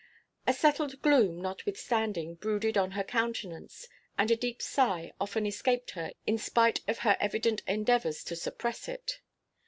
A settled gloom, notwithstanding, brooded on her countenance; and a deep sigh often escaped her in spite of her evident endeavors to suppress it.